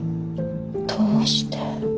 どうして？